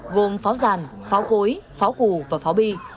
gồm pháo giàn pháo cối pháo củ và pháo bi